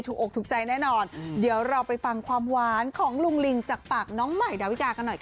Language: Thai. อกถูกใจแน่นอนเดี๋ยวเราไปฟังความหวานของลุงลิงจากปากน้องใหม่ดาวิกากันหน่อยค่ะ